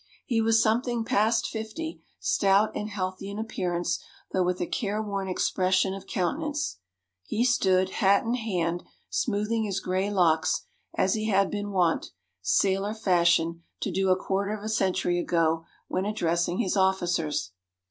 He was something past fifty, stout and healthy in appearance, though with a careworn expression of countenance. He stood, hat in hand, smoothing his gray locks, as he had been wont, sailor fashion, to do a quarter of a century ago when address ing his ofiicers.